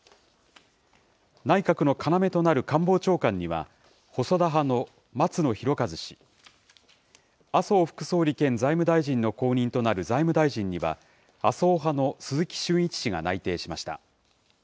内閣の要となる官房長官には、細田派の松野博一氏。麻生副総理兼財務大臣の後任となる財務大臣には、麻生派の鈴木俊一氏が内定しました。